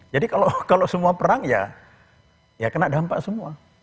jadi kalau semua perang ya ya kena dampak semua